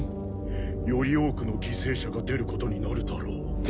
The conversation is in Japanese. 「より多くの犠牲者が出ることになるだろう」。